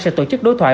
sẽ tổ chức đối thoại